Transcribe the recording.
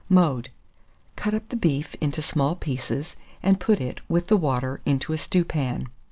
Mode. Cut up the beef into small pieces, and put it, with the water, into a stewpan.